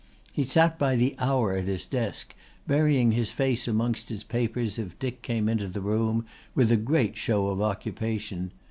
He sat by the hour at his desk, burying his face amongst his papers if Dick came into the room, with a great show of occupation.